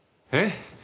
え？